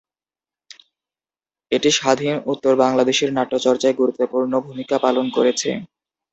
এটি স্বাধীনতা-উত্তর বাংলাদেশের নাট্যচর্চায় গুরুত্বপূর্ণ ভূমিকা পালন করছে।